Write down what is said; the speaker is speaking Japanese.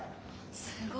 すごいね。